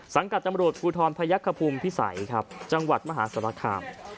สังกัดจำรวจกูธรพยักษ์คภูมิภิสัยครับจังหวัดมหาสรรคาม